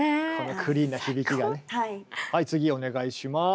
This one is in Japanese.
はい次お願いします。